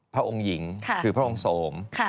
พระองค์หญิงคือพระองค์โสม